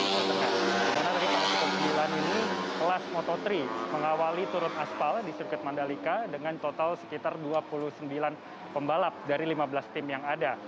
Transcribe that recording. karena dari pukul sembilan ini kelas moto tiga mengawali turun aspal di sirkuit madalika dengan total sekitar dua puluh sembilan pembalap dari lima belas tim yang ada